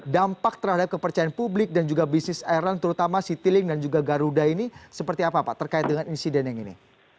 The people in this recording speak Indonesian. dampak terhadap kepercayaan publik dan juga bisnis airline terutama citilink dan juga garuda ini seperti apa pak terkait dengan insiden yang ini